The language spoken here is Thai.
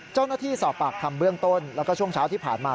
เจ้าหน้าที่สอบปากคำเบื้องต้นแล้วก็ช่วงเช้าที่ผ่านมา